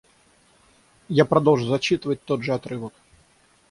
Я продолжу зачитывать тот же отрывок.